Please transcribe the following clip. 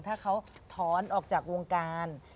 ถ้าเขาถอนออกจากวงการ